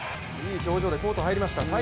いい表情でコート入りました